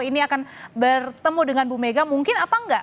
ini akan bertemu dengan bu mega mungkin apa enggak